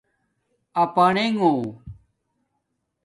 اپانݣوں